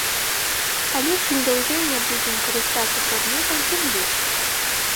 Але чым даўжэй мы будзем карыстацца прадметам, тым лепей.